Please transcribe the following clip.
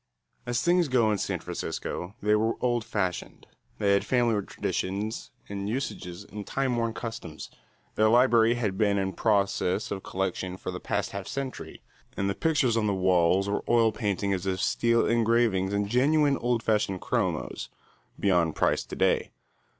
As things go in San Francisco, they were old fashioned. They had family traditions and usages and time worn customs. Their library had been in process of collection for the past half century and the pictures on the walls were oil paintings of steel engravings and genuine old fashioned chromos, beyond price to day.